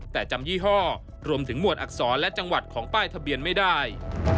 แต่จำยี่ห้อรวมถึงหมวดอักษรและจังหวัดของป้ายทะเบียนไม่ได้